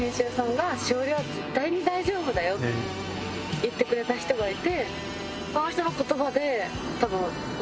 言ってくれた人がいて。